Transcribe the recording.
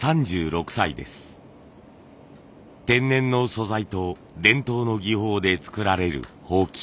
天然の素材と伝統の技法で作られる箒。